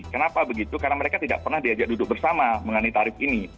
kenapa begitu karena mereka tidak pernah diajak duduk bersama mengenai tarif ini